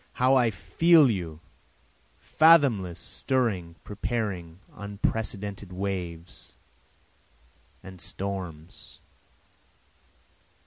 how I feel you, fathomless, stirring, preparing unprecedented waves and storms.